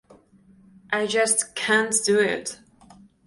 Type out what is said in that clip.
I just can't do it.